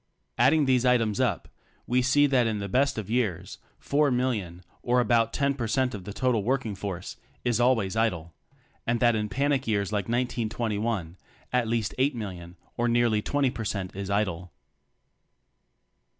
Adding these items up, we see that, in the best of years, four million, or about 10 per cent of the total working force, is always idle, and that in panic years like 1921, at least eight million, or nearly 20 per cent is idle.